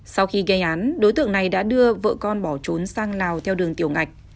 sau khi gây án đối tượng này đã đưa vợ con bỏ trốn sang lào theo đường tiểu ngạch